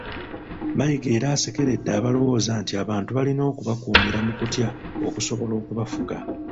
Mayiga era asekeredde abalowooza nti abantu balina kubakuumira mu kutya okusobola okubafuga.